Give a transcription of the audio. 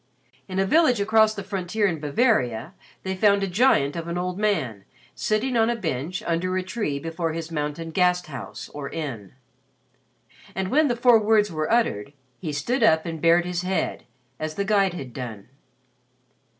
In a village across the frontier in Bavaria they found a giant of an old man sitting on a bench under a tree before his mountain "Gasthaus" or inn; and when the four words were uttered, he stood up and bared his head as the guide had done.